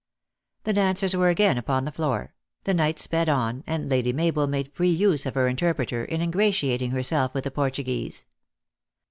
361 The dancers were again upon the floor ; the night sped on, and Lady Mabel made free use of her inter preter in ingratiating herself with the Portuguese.